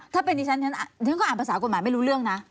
ถ้าเป็นดิฉันฉันก็อ่านภาษากฎหมายไม่รู้เรื่องนะ